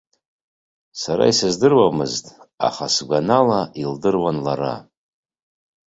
Сара исыздыруамызт, аха, сгәанала, илдыруан лара.